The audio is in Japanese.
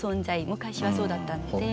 昔はそうだったので。